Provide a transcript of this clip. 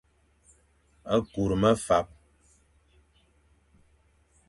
Kur mefap.